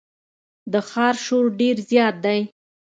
د ښار شور ډېر زیات دی.